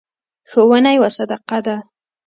ښوونه یوه صدقه ده.